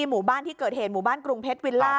หมู่บ้านที่เกิดเหตุหมู่บ้านกรุงเพชรวิลล่า